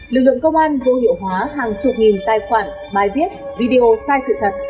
lực lượng công an vô hiệu hóa hàng chục nghìn tài khoản bài viết video sai sự thật